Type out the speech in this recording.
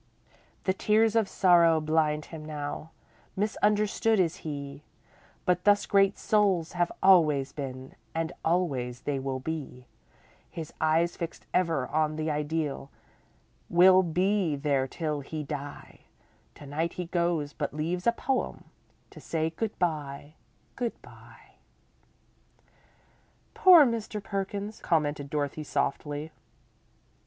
The tears of sorrow blind him now, Misunderstood is he, But thus great souls have always been, And always they will be; His eyes fixed ever on the Ideal Will be there till he die, To night he goes, but leaves a poem To say good bye, good bye! "Poor Mr. Perkins," commented Dorothy, softly.